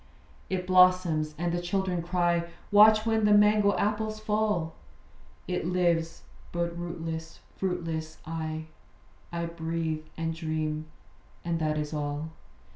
It blossoms; and the children cry 'Watch when the mango apples fall.' It lives: but rootless, fruitless, I I breathe and dream; and that is all.